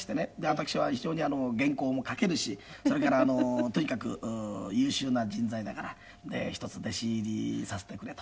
私は非常に原稿も書けるしそれからとにかく優秀な人材だからひとつ弟子入りさせてくれと。